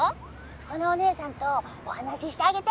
このお姉さんとお話ししてあげて。